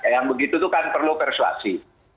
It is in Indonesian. yang begitu itu kan perlu persuasi